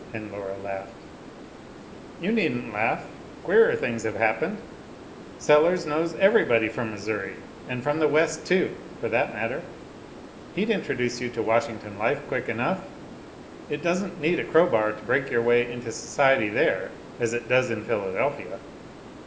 and Laura laughed. "You needn't laugh. Queerer things have happened. Sellers knows everybody from Missouri, and from the West, too, for that matter. He'd introduce you to Washington life quick enough. It doesn't need a crowbar to break your way into society there as it does in Philadelphia.